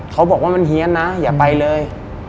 เขาบอกว่ามันเฮียนนะอย่าไปเลย